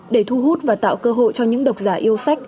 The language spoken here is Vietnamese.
để thu hút và tạo cơ hội cho những độc giả yêu sách